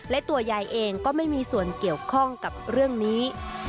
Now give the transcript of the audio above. และตัวยายเองก็ไม่มีส่วนเกี่ยวข้องกับเรื่องนี้